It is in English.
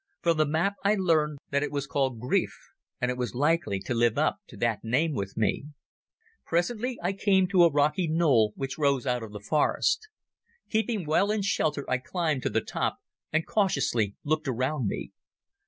From the map I learned that it was called Greif, and it was likely to live up to that name with me. Presently I came to a rocky knoll which rose out of the forest. Keeping well in shelter I climbed to the top and cautiously looked around me.